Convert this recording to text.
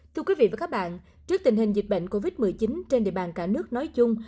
thưa quý vị và các bạn trước tình hình dịch bệnh covid một mươi chín trên địa bàn cả nước nói chung